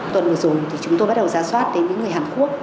tuần vừa rồi thì chúng tôi bắt đầu giả soát đến những người hàn quốc